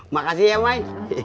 makasih ya man